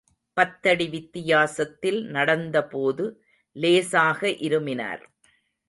பத்தடி வித்தியாசத்தில் நடந்தபோது, லேசாக இருமினார்.